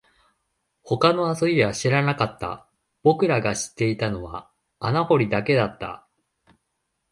他の遊びは知らなかった、僕らが知っていたのは穴掘りだけだった